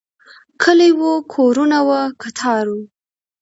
کلی و، کورونه و، کتار و